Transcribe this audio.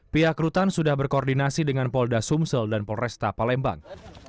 pihak rutan sudah berkoordinasi dengan polda sumsel dan polresta palembang